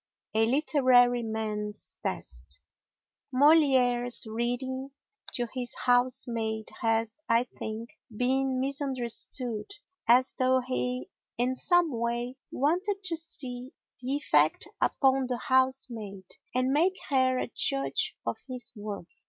A Literary Man's Test Molière's reading to his housemaid has, I think, been misunderstood as though he in some way wanted to see the effect upon the housemaid and make her a judge of his work.